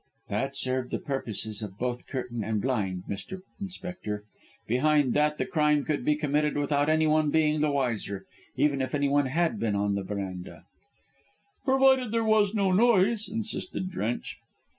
"That served the purposes of both curtain and blind, Mr. Inspector. Behind that the crime could be committed without anyone being the wiser, even if anyone had been on the verandah." "Provided there was no noise," insisted Drench.